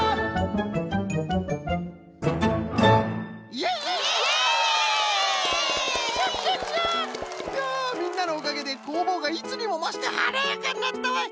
いやみんなのおかげでこうぼうがいつにもましてはなやかになったわい！